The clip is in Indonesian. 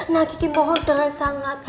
nah kiki mohon dengan sangat